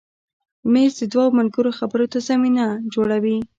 مېز د دوو ملګرو خبرو ته زمینه جوړوي.